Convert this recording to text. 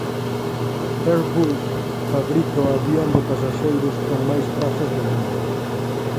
Airbus fabrica o avión de pasaxeiros con máis prazas do mundo